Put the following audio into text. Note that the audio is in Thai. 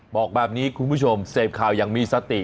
บอกแบบนี้คุณผู้ชมเสพข่าวยังมีสติ